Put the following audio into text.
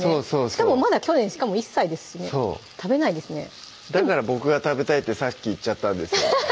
しかもまだ去年１歳ですしね食べないですねだから僕が食べたいってさっき言っちゃったんですよ